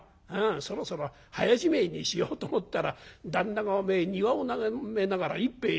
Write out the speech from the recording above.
そろそろ早じめえにしようと思ったら旦那が庭を眺めながら一杯やってたんだよ。